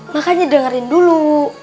makanya dengerin dulu